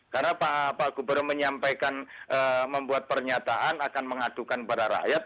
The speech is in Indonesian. karena pak gubernur menyampaikan membuat pernyataan akan mengadukan kepada rakyat